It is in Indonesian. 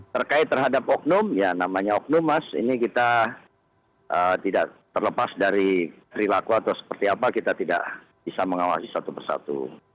terkait terhadap oknum ya namanya oknum mas ini kita tidak terlepas dari perilaku atau seperti apa kita tidak bisa mengawasi satu persatu